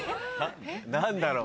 何だろう？